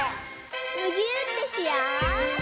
むぎゅーってしよう！